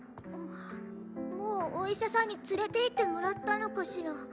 もうおいしゃさんにつれていってもらったのかしら？